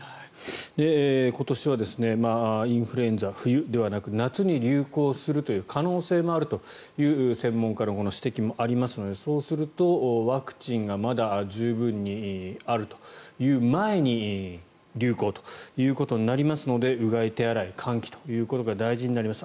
今年はインフルエンザ冬ではなく夏に流行するという可能性もあるという専門家の指摘もありますのでそうするとワクチンがまだ十分にあるという前に流行ということになりますのでうがい、手洗い、換気ということが大事になります。